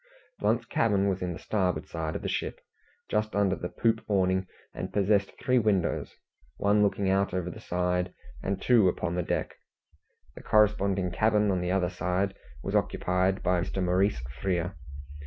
Blunt's cabin was in the starboard side of the ship, just under the poop awning, and possessed three windows one looking out over the side, and two upon deck. The corresponding cabin on the other side was occupied by Mr. Maurice Frere.